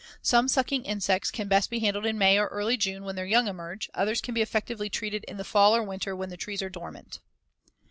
Some sucking insects can best be handled in May or early June when their young emerge, others can be effectively treated in the fall or winter when the trees are dormant.